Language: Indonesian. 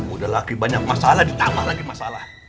udah lagi banyak masalah ditambah lagi masalah